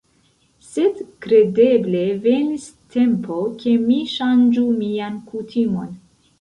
Sed kredeble venis tempo, ke mi ŝanĝu mian kutimon.